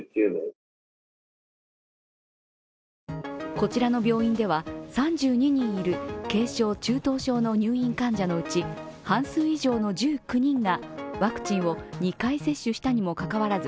こちらの病院では３２人いる軽症・中等症の入院患者のうち半数以上の１９人がワクチンを２回接種したにもかかわらず